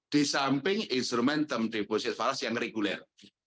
di samping instrument term deposit falas yang reguler